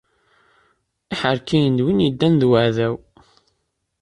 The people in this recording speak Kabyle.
Iḥerkiyen d wid yeddan d weɛdaw.